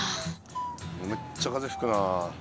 めっちゃ風吹くな。